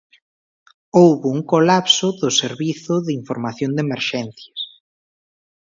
Houbo un colapso do servizo de información de emerxencias.